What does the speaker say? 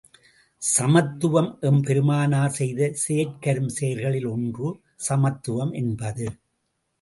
சமத்துவம் எம்பெருமானார் செய்த செயற்கரும் செயல்களில் ஒன்று சமத்துவம் என்பது.